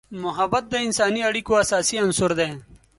محبت د انسانی اړیکو اساسي عنصر دی.